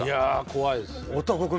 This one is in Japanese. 怖いです。